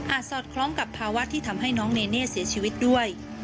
สอดคล้องกับภาวะที่ทำให้น้องเนเน่เสียชีวิตด้วย